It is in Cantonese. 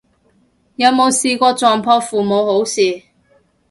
有冇試過撞破父母好事